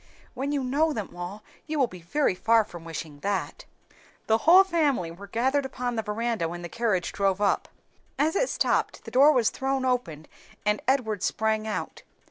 "When you know them all you will be very far from wishing that." The whole family were gathered upon the veranda when the carriage drove up. As it stopped, the door was thrown open, and Edward sprang out.